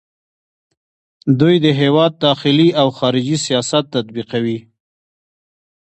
دوی د هیواد داخلي او خارجي سیاست تطبیقوي.